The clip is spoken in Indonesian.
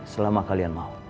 selama kalian mau